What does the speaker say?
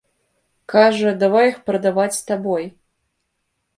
Кажа, давай іх прадаваць з табой.